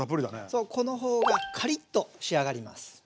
この方がカリッと仕上がります。